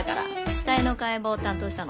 死体の解剖を担当したの。